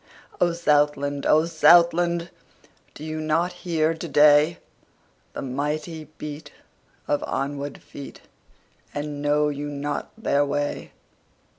O Southland! O Southland! Do you not hear to dayThe mighty beat of onward feet, And know you not their way?